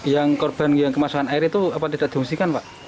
yang korban yang kemasukan air itu apa tidak diungsikan pak